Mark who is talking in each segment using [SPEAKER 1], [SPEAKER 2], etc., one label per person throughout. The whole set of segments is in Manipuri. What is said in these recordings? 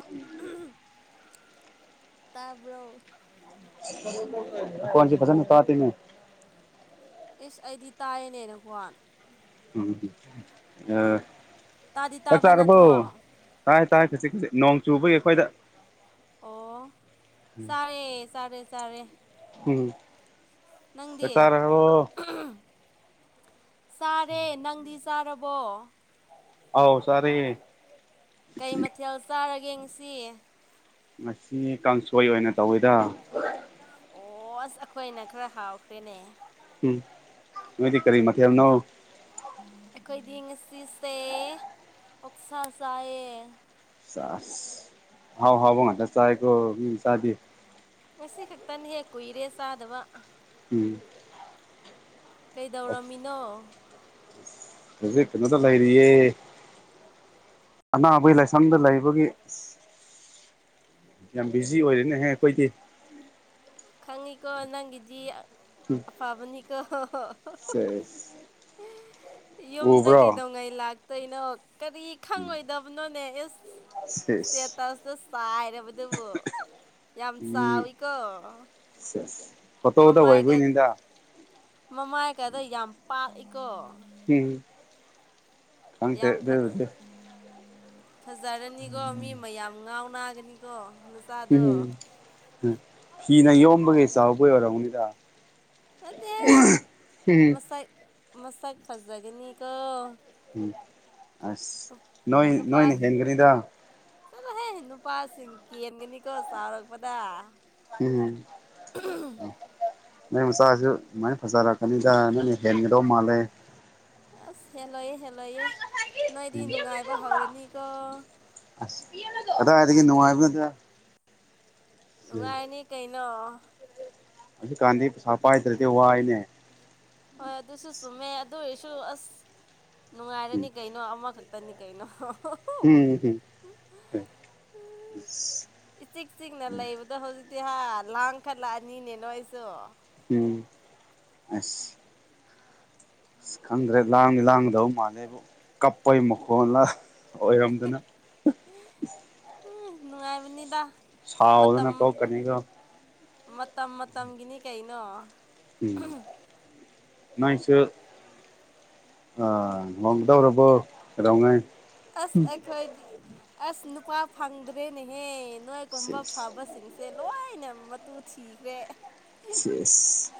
[SPEAKER 1] ꯑ ꯇꯥꯕ꯭ꯔꯣ
[SPEAKER 2] ꯀꯣꯏꯣꯟꯆ ꯐꯁꯟ ꯄꯥꯇ
[SPEAKER 1] ꯑꯦꯁ ꯑꯩꯗꯤ ꯇꯥꯏꯌꯦꯅꯦ ꯅꯈꯣꯟ
[SPEAKER 2] ꯎꯝ ꯑ
[SPEAKER 1] ꯇꯥꯗꯤ
[SPEAKER 2] ꯆꯥꯛ
[SPEAKER 1] ꯇꯥꯕ
[SPEAKER 2] ꯆꯥꯔꯕꯣ
[SPEAKER 1] ꯅꯠꯇ꯭ꯔꯣ ꯑꯣ
[SPEAKER 2] ꯇꯥꯏ ꯇꯥꯏ ꯈꯖꯤꯛ ꯈꯖꯤꯛ ꯅꯣꯡ ꯆꯨꯕꯒꯤ ꯑꯩꯈꯣꯏꯗ
[SPEAKER 1] ꯑꯣ ꯆꯥꯔꯦ ꯆꯥꯔꯦ ꯆꯥꯔꯦ꯫
[SPEAKER 2] ꯎꯝ
[SPEAKER 1] ꯅꯪꯗꯤ
[SPEAKER 2] ꯆꯥꯛ ꯆꯥꯔꯕꯣ
[SPEAKER 1] ꯆꯥꯔꯦ ꯅꯪꯗꯤ ꯆꯥꯔꯕꯣ
[SPEAKER 2] ꯑꯥꯎ ꯆꯥꯔꯦ꯫
[SPEAKER 1] ꯀꯩ ꯃꯊꯦꯜ ꯆꯥꯔꯒꯦ ꯉꯁꯤ꯫
[SPEAKER 2] ꯉꯁꯤ ꯀꯥꯡꯁꯣꯏ ꯑꯣꯏꯅ ꯇꯧꯋꯤꯗ
[SPEAKER 1] ꯑꯣꯁ ꯑꯩꯈꯣꯏꯅ ꯈꯔ ꯍꯥꯎꯈ꯭ꯔꯦꯅꯦ꯫
[SPEAKER 2] ꯍꯝ ꯅꯣꯏꯗꯤ ꯀꯔꯤ ꯃꯥꯊꯦꯜꯅꯣ
[SPEAKER 1] ꯑꯩꯈꯣꯏꯗꯤ ꯉꯁꯤꯁꯦ ꯑꯣꯛ ꯁꯥꯥ ꯆꯥꯏꯌꯦ꯫
[SPEAKER 2] ꯆꯁ ꯍꯥꯎ ꯍꯕ ꯈꯗ ꯆꯥꯕ ꯃꯤ ꯆꯗꯤ
[SPEAKER 1] ꯉꯁꯤ ꯈꯛꯇꯅꯤꯍꯦ ꯀꯨꯏꯔꯦ ꯆꯥꯗꯕ
[SPEAKER 2] ꯎꯝ
[SPEAKER 1] ꯀꯩꯗꯧꯔꯝꯃꯤꯅꯣ
[SPEAKER 2] ꯍꯧꯖꯤꯛ ꯀꯩꯅꯣꯗ ꯂꯩꯔꯤꯌꯦ ꯑꯅꯥꯕꯒꯤ ꯂꯥꯏꯁꯪꯗ ꯂꯩꯕꯒꯤ꯫ ꯌꯥꯝ ꯕꯤꯖꯤ ꯑꯣꯏꯔꯤꯝꯅꯦꯍꯦ ꯑꯩꯈꯣꯏꯗꯤ꯫
[SPEAKER 1] ꯈꯪꯉꯤꯀꯣ ꯅꯪꯒꯤꯗꯤ ꯑꯐꯕꯅꯤꯀꯣ꯫
[SPEAKER 2] ꯁꯦꯁ
[SPEAKER 1] ꯌꯨꯝꯗ
[SPEAKER 2] ꯎꯕ꯭ꯔꯣ
[SPEAKER 1] ꯀꯩꯗꯧꯉꯩ ꯂꯥꯛ ꯀꯩꯅꯣ ꯀꯔꯤ ꯈꯪꯉꯣꯏꯗꯕꯅꯣꯅꯦ ꯑꯦ
[SPEAKER 2] ꯁꯦꯁ
[SPEAKER 1] ꯏꯁꯇꯦꯇꯁꯇ ꯆꯥꯏꯔꯕꯗꯨꯕꯨ ꯌꯥꯝ
[SPEAKER 2] ꯃꯤ
[SPEAKER 1] ꯆꯥꯎꯋꯤꯀꯣ꯫
[SPEAKER 2] ꯐꯣꯇꯣꯗ
[SPEAKER 1] ꯃꯃꯥꯏꯒ
[SPEAKER 2] ꯑꯣꯏꯕꯣꯏꯅꯤꯗ
[SPEAKER 1] ꯃꯃꯥꯏꯒꯗꯣ ꯌꯥꯝ ꯄꯥꯛꯏꯀꯣ
[SPEAKER 2] ꯎꯝ ꯈꯪꯗꯦ
[SPEAKER 1] ꯌꯥꯝ ꯐꯑ
[SPEAKER 2] ꯑꯗꯨꯕꯨꯗꯤ
[SPEAKER 1] ꯐꯖꯔꯅꯤꯀꯣ ꯃꯤ ꯃꯌꯥꯝ ꯉꯥꯎ ꯅꯥꯒꯅꯤꯀꯣ ꯅꯨꯄꯥꯗꯣ
[SPEAKER 2] ꯎꯝ ꯐꯤꯅ ꯌꯣꯝꯕꯒꯤ ꯆꯥꯎꯕꯩ ꯑꯣꯏꯔꯝꯅꯤꯗ
[SPEAKER 1] ꯑꯗꯦ ꯃꯁꯛ ꯃꯁꯛ ꯐꯖꯒꯅꯤꯀꯣ
[SPEAKER 2] ꯎꯝ ꯑꯁ ꯅꯣꯏ
[SPEAKER 1] ꯅꯨꯄꯥ
[SPEAKER 2] ꯅꯣꯏꯅ ꯍꯦꯟꯒꯅꯤꯗ
[SPEAKER 1] ꯆꯠꯂꯣꯍꯦ ꯅꯨꯄꯥꯁꯤꯡ ꯀꯦꯟꯒꯅꯤꯀꯣ ꯆꯥꯎꯔꯛꯄꯗ
[SPEAKER 2] ꯎꯝꯍꯝ ꯅꯣꯏ ꯃꯆꯥꯁꯨ ꯑꯗꯨꯃꯥꯏꯅ ꯐꯖꯔꯛꯀꯅꯤꯗ ꯅꯣꯏꯅ ꯍꯦꯟꯒꯗꯧ ꯃꯥꯜꯂꯦ꯫
[SPEAKER 1] ꯑꯁ ꯍꯦꯜꯂꯣꯏꯑꯦ ꯍꯦꯜꯂꯣꯏꯑꯦ ꯅꯣꯏꯗꯤ
[SPEAKER 2] ꯎꯝ
[SPEAKER 1] ꯅꯨꯡꯉꯥꯏꯕ ꯍꯧꯔꯅꯤꯀꯣ
[SPEAKER 2] ꯑꯁ ꯀꯗꯥꯏꯗꯒꯤ ꯅꯨꯡꯉꯥꯏꯕ ꯅꯣꯗ
[SPEAKER 1] ꯅꯨꯡꯉꯥꯏꯔꯅꯤ ꯀꯩꯅꯣ
[SPEAKER 2] ꯍꯧꯖꯤꯛꯀꯥꯟꯗꯤ ꯄꯩꯁꯥ ꯄꯥꯏꯗ꯭ꯔꯗꯤ ꯋꯥꯏꯅꯦ꯫
[SPEAKER 1] ꯍꯣꯏ ꯑꯗꯨꯁꯨ ꯆꯨꯝꯃꯦ ꯑꯗꯨ ꯑꯣꯏꯔꯁꯨ ꯑꯁ
[SPEAKER 2] ꯎꯝ
[SPEAKER 1] ꯅꯨꯡꯉꯥꯏꯔꯅꯤ ꯀꯩꯅꯣ ꯑꯃꯈꯛꯇꯅꯤ ꯀꯩꯅꯣ
[SPEAKER 2] ꯎꯝ ꯍꯝ ꯑꯁ
[SPEAKER 1] ꯏ ꯆꯤꯛ ꯆꯤꯛꯅ ꯂꯩꯕ ꯑꯗꯣ ꯍꯧꯖꯤꯛꯇꯤ ꯍꯥ ꯂꯥꯡꯈꯠꯂꯛꯑꯅꯤꯅꯦ ꯅ‌ꯣꯏ ꯁꯨ
[SPEAKER 2] ꯎꯝ ꯑꯁ ꯑꯁ ꯈꯪꯗ꯭ꯔꯦ ꯂꯥꯡꯗꯤ ꯂꯥꯡꯒꯗꯕ ꯃꯥꯜꯂꯦꯕꯨ ꯀꯞꯄꯩ ꯃꯈꯣꯜꯂ ꯑꯣꯏꯔꯝꯗꯅ
[SPEAKER 1] ꯎꯝ ꯅꯨꯡꯉꯥꯏꯕꯅꯤꯗ ꯃꯇꯝ
[SPEAKER 2] ꯁꯥꯎꯗꯅ ꯇꯣꯛꯀꯅꯤꯀꯣ
[SPEAKER 1] ꯃꯇꯝ ꯃꯇꯝꯒꯤꯅꯤ ꯀꯩꯅꯣ
[SPEAKER 2] ꯎꯝ ꯅ‌ꯣꯏꯁꯨ ꯑꯥ ꯂꯣꯡꯒꯗꯧꯔꯕꯣ ꯀꯩꯗꯧꯉꯩ
[SPEAKER 1] ꯑꯁ ꯑꯩꯈꯣꯏꯗꯤ ꯑꯁ ꯅꯨꯄꯥ ꯐꯪꯗ꯭ꯔꯦꯅꯦꯍꯦ ꯅꯣꯏꯒꯨꯝꯕ
[SPEAKER 2] ꯁꯤꯁ
[SPEAKER 1] ꯐꯕꯁꯤꯡꯁꯦ ꯁꯦ ꯂꯣꯏꯅ ꯃꯇꯨ ꯊꯤꯈ꯭ꯔꯦ
[SPEAKER 2] ꯁꯤꯁ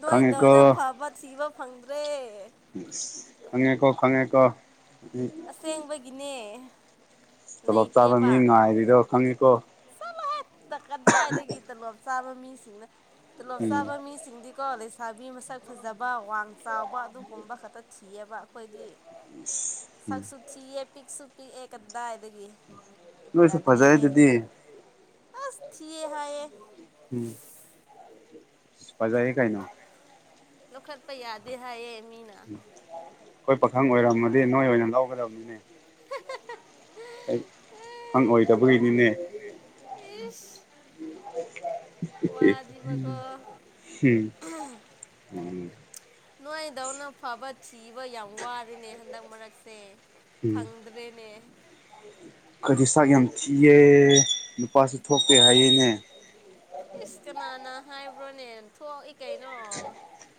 [SPEAKER 1] ꯅꯣꯏꯥꯏ ꯇꯧꯅ
[SPEAKER 2] ꯈꯪꯉꯦꯀꯣ
[SPEAKER 1] ꯐꯕ ꯊꯤꯕ ꯐꯪꯗ꯭ꯔꯦ
[SPEAKER 2] ꯎ ꯈꯉꯀ ꯈꯉꯀꯣ ꯎ
[SPEAKER 1] ꯑꯁꯦꯡꯕꯒꯤꯅꯦ
[SPEAKER 2] ꯇꯣꯂꯣꯞ ꯆꯥꯕ
[SPEAKER 1] ꯂꯩꯇꯦꯕ
[SPEAKER 2] ꯃꯤ ꯉꯥꯏꯔꯤꯗꯣ ꯈꯪꯉꯤꯀꯣ
[SPEAKER 1] ꯇꯛꯀꯗꯥꯏꯗꯒꯤ ꯇꯂꯣꯞ ꯆꯥꯕ ꯃꯤꯁꯤꯡꯅ ꯇꯂꯣꯞ
[SPEAKER 2] ꯎꯝ
[SPEAKER 1] ꯆꯥꯕ ꯃꯤꯁꯤꯡꯗꯤ ꯀꯣ ꯂꯩꯁꯥꯕꯤ ꯃꯁꯛ ꯐꯖꯕ ꯋꯥꯡ ꯆꯥꯎꯕ ꯑꯗꯨꯒꯨꯝꯕ ꯈꯛꯇ ꯊꯤꯑꯕ ꯑꯩꯈꯣꯏꯗꯤ
[SPEAKER 2] ꯎ [inaudible]
[SPEAKER 1] ꯁꯛꯁꯨ ꯊꯤꯑ ꯄꯤꯛꯁꯨ ꯄꯤꯛꯑꯦ ꯀꯗꯥꯏꯗꯒꯤ
[SPEAKER 2] ꯅꯣꯏꯁꯨ ꯐꯖꯔꯦ
[SPEAKER 1] ꯌꯥꯗ꯭ꯔꯦꯍꯦ
[SPEAKER 2] ꯑꯗꯨꯗꯤ
[SPEAKER 1] ꯑꯁ ꯊꯤꯌꯦ ꯍꯥꯏꯌꯦ
[SPEAKER 2] ꯎꯝ ꯄꯥꯖꯑꯦ ꯀꯥꯏꯅ‌ꯣ
[SPEAKER 1] ꯂꯧꯈꯠꯄ ꯌꯥꯗꯦ ꯍꯥꯏꯌꯦ ꯃꯤꯅ
[SPEAKER 2] ꯑꯩꯈꯣꯏ ꯄꯥꯈꯪ ꯑꯣꯏꯔꯝꯃꯗꯤ ꯅꯣꯏ ꯑꯣꯏꯅ ꯂꯧꯒꯗꯕꯅꯤꯅꯦ ꯄꯈꯨꯡ
[SPEAKER 1] ꯑꯦ
[SPEAKER 2] ꯑꯣꯏꯗꯕꯒꯤꯅꯤꯅꯦ
[SPEAKER 1] ꯏꯁ ꯋꯥꯗꯤꯕꯀꯣ
[SPEAKER 2] [unintelligible]
[SPEAKER 1] ꯅꯥꯏꯗꯧꯅ ꯐꯕ ꯊꯤꯕ ꯌꯥꯝ ꯋꯥꯅꯦ ꯍꯟꯗꯛ ꯃꯔꯛꯁꯦ
[SPEAKER 2] ꯎꯝ
[SPEAKER 1] ꯐꯪꯗ꯭ꯔꯦꯅꯦ
[SPEAKER 2] ꯑꯩꯈ‌ꯣꯏꯗꯤ ꯁꯛ ꯌꯥꯝ ꯊꯤꯑ ꯅꯨꯄꯥꯁꯨ ꯊꯣꯛꯇ‌ꯦ ꯍꯥꯏꯌꯦꯅꯦ
[SPEAKER 1] ꯏꯁ ꯀꯅꯥꯅ ꯍꯥꯏꯕ꯭ꯔꯣꯅꯦ ꯊꯣꯛꯏ ꯀꯩꯅꯣ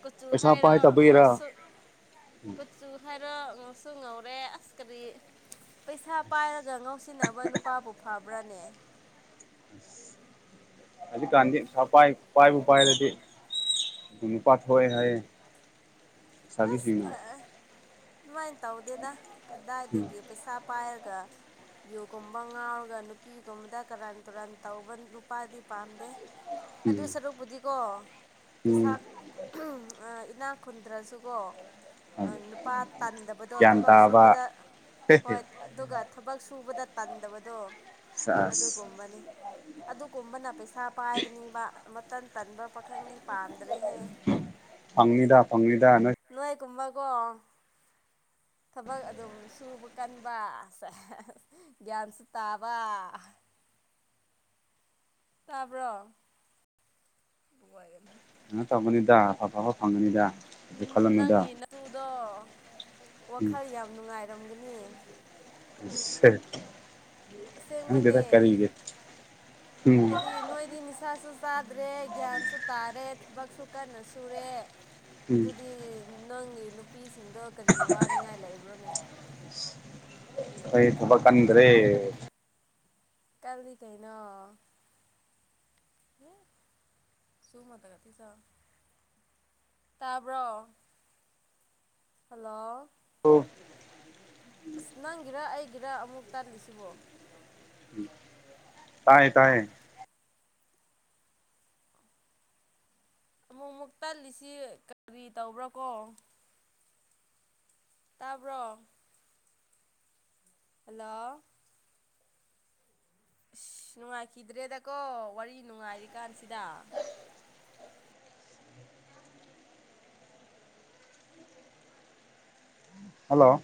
[SPEAKER 1] ꯀꯨꯆꯨ
[SPEAKER 2] ꯄꯩꯁꯥ
[SPEAKER 1] ꯍꯥꯏꯔꯣ
[SPEAKER 2] ꯄꯥꯏꯗꯕꯒꯤꯔ
[SPEAKER 1] ꯉꯧꯁꯨꯛ ꯀꯨꯆꯨ ꯍꯥꯏꯔꯣ ꯉꯧꯁꯨ ꯉꯧꯔꯦ ꯑꯁ ꯀꯔꯤ ꯄꯩꯁꯥ ꯄꯥꯏꯔꯒ ꯉꯧꯁꯤꯟꯅꯕ ꯅꯨꯄꯥꯕꯨ ꯐꯕ꯭ꯔꯥꯅꯦ
[SPEAKER 2] ꯍꯧꯖꯤꯛꯀꯥꯟꯗꯤ ꯄꯥꯏꯕꯨ ꯄꯥꯏꯔꯗꯤ ꯑꯗꯨꯝ ꯄꯥꯊꯣꯛꯑꯦ ꯍꯥꯏꯌꯦ ꯂꯩꯁꯥꯕꯤꯁꯤꯡꯅ
[SPEAKER 1] ꯑꯁ ꯑꯗꯨꯃꯥꯏꯅ ꯇꯧꯗꯦꯗ
[SPEAKER 2] ꯎꯝ
[SPEAKER 1] ꯀꯗꯥꯏꯗꯒꯤ ꯄꯩꯁꯥ ꯄꯥꯏꯔꯒ ꯌꯨꯒꯨꯝꯕ ꯉꯥꯎꯔꯒ ꯅꯨꯄꯤꯒꯨꯝꯕꯗ ꯀꯔꯥꯟ ꯇꯨꯔꯥꯟ ꯇꯧꯕ ꯅꯨꯄꯥꯗꯤ ꯄꯥꯝꯗꯦ ꯑꯗꯨ
[SPEAKER 2] ꯎꯝ
[SPEAKER 1] ꯁꯔꯨꯛꯄꯨꯗꯤꯀꯣ ꯄꯩꯁꯥ
[SPEAKER 2] ꯎꯝ
[SPEAKER 1] ꯏꯅꯥꯛ ꯈꯨꯟꯗ꯭ꯔꯁꯨ ꯀꯣ ꯅꯨꯄꯥ ꯇꯥꯟꯗꯕꯗꯣ
[SPEAKER 2] ꯒ꯭ꯌꯥꯟ
[SPEAKER 1] ꯊꯕꯛ
[SPEAKER 2] ꯇꯥꯕ
[SPEAKER 1] ꯁꯨꯕꯗ ꯍꯣꯏ ꯑꯗꯨꯒ ꯊꯕꯛ ꯁꯨꯕꯗ ꯇꯟꯗꯕꯗꯣ
[SPEAKER 2] ꯁꯦꯁ
[SPEAKER 1] ꯑꯗꯨꯒꯨꯝꯕꯅꯤ ꯑꯗꯨꯒꯨꯝꯕꯅ ꯄꯩꯁꯥ ꯄꯥꯏꯒꯅꯤꯕ ꯃꯇꯟ ꯇꯟꯕ ꯄꯥꯈꯪꯗꯤ ꯄꯥꯝꯗ꯭ꯔꯦꯍꯦ
[SPEAKER 2] ꯐꯥꯡꯂꯤꯗꯥ ꯐꯪꯂꯤꯗꯥ ꯅ‌ꯣꯏ
[SPEAKER 1] ꯅꯣꯏ ꯀꯨꯝꯕꯀꯣ ꯊꯕꯛ ꯑꯗꯨꯝ ꯁꯨꯕ ꯀꯟꯕ ꯒꯟꯁꯨ ꯇꯥꯕ ꯇꯥꯕ꯭ꯔꯣ
[SPEAKER 2] ꯀꯩꯅꯣ ꯇꯧꯒꯅꯤꯗ ꯑꯐꯕ ꯐꯪꯒꯅꯤꯗ ꯑꯗꯨ ꯈꯜꯂꯅꯨꯗ
[SPEAKER 1] ꯅꯪꯒꯤ ꯅꯇꯨꯗꯣ
[SPEAKER 2] ꯎꯝ
[SPEAKER 1] ꯋꯥꯈꯜ ꯌꯥꯝ ꯅꯨꯡꯉꯥꯏꯔꯝꯒꯅꯤ
[SPEAKER 2] [unintelligible]
[SPEAKER 1] ꯑꯁꯦꯡꯕꯅꯦ
[SPEAKER 2] ꯈꯪꯗꯦꯗ ꯀꯔꯤꯒꯤ ꯎꯝ
[SPEAKER 1] ꯍꯥꯏꯗꯤ ꯅꯣꯏꯗꯤ ꯅꯤꯁꯥꯁꯨ ꯆꯥꯗ꯭ꯔꯦ ꯒ꯭ꯌꯥꯟꯁꯨ ꯇꯥꯔꯦ ꯊꯕꯛꯁꯨ ꯀꯟꯅ ꯁꯨꯔꯦ
[SPEAKER 2] ꯎꯝ
[SPEAKER 1] ꯑꯗꯨꯗꯤ ꯅꯪꯒꯤ ꯅꯨꯄꯤꯁꯤꯡꯗꯣ ꯀꯔꯤ ꯋꯥꯅꯤꯡꯉꯥꯏ ꯂꯩꯕ꯭ꯔꯣꯅꯦ
[SPEAKER 2] ꯈꯣꯢ ꯊꯕꯛ ꯀꯟꯗ꯭ꯔꯦ
[SPEAKER 1] ꯀꯜꯂꯤ ꯀꯩꯅꯣ [unintelligible] ꯇꯥꯕ꯭ꯔꯣ ꯍꯜꯂꯣ
[SPEAKER 2] ꯎꯝ
[SPEAKER 1] ꯑꯁ ꯅꯪꯒꯤꯔ ꯑꯩꯒꯤꯔ ꯑꯃꯨꯛ ꯇꯜꯂꯤꯁꯤꯕꯣ
[SPEAKER 2] ꯇꯥꯏꯌꯦ ꯇꯥꯏꯌꯦ
[SPEAKER 1] ꯑꯃꯨꯛ ꯑꯃꯨꯛ ꯇꯠꯂꯤꯁꯤ ꯀꯔꯤ ꯇꯧꯕ꯭ꯔꯥ ꯀꯣ ꯇꯥꯕ꯭ꯔꯣ ꯍꯜꯂꯣ ꯑꯁ ꯅꯨꯡꯉꯥꯏꯈꯤꯗ꯭ꯔꯦꯗꯀꯣ ꯋꯥꯔꯤ ꯅꯨꯡꯉꯥꯏꯔꯤ ꯀꯥꯟꯁꯤꯗ
[SPEAKER 2] ꯍꯜꯂꯣ